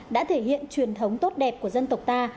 đã thể hiện truyền thống tốt đẹp của dân tộc ta